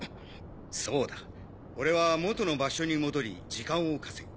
そうだ俺は元の場所に戻り時間を稼ぐ。